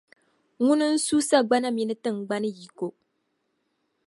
Ŋuna n-su sagbana mini tiŋgbani yiko.